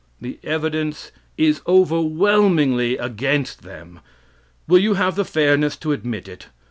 The evidence is overwhelmingly against them. Will you have the fairness to admit it?